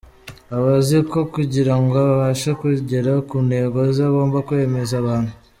Aba azi ko kugira ngo abashe kugera ku ntego ze agomba kwemeza abantu.